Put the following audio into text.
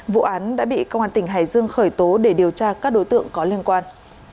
vụ án đã bị công an tỉnh hải dương khởi tố để điều tra các đối tượng có liên quan